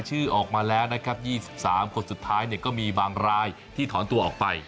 ชื่อออกมาแล้วนะครับ๒๓คนสุดท้ายก็มีบางรายที่ถอนตัวออกไป